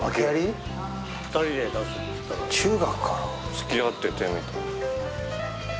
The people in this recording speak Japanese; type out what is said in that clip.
つきあっててみたいな。